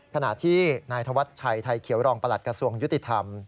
ขณะที่นายธวัชชัยไทยเขียวรองประหลัดกระทรวงยุติธรรม